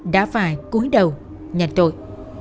đã phải cuối đầu nhận tội